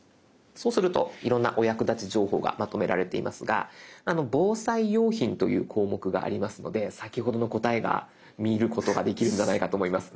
そうするといろんなお役立ち情報がまとめられていますが防災用品という項目がありますので先ほどの答えが見ることができるんじゃないかと思います。